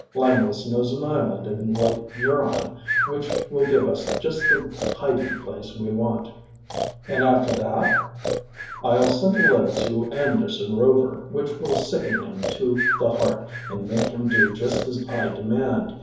Langless knows an island in Lake Huron which will give us just the hiding place we want." "And after that?" "I'll send a letter to Anderson Rover which will sicken him to the heart and make him do just as I demand.